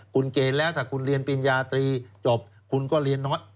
คุณเกณฑ์แล้วถ้าคุณเรียนปริญญาตรีจบคุณก็เรียนน้อย